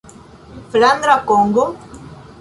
Flandra Kongo?